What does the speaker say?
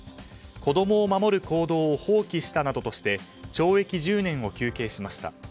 子供を守る行動を放棄したなどとして懲役１０年を求刑しました。